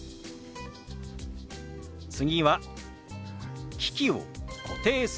次は「機器を固定する」。